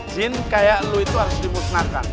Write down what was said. jin kayak lu itu harus dimusnahkan